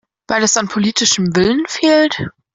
Weil es an politischem Willen fehlt?